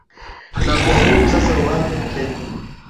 Nakuamuru sasa uhame Kenya.